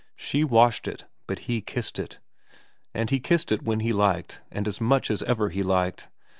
She washed it, but he kissed it. And he kissed 192 VERA xvn it when he liked and as much as ever he liked.